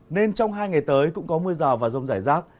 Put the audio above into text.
nên trong hai ngày tới cũng có mưa rào và rông rải rác